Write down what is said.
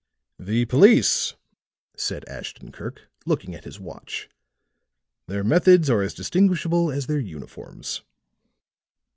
"The police," said Ashton Kirk, looking at his watch. "Their methods are as distinguishable as their uniforms."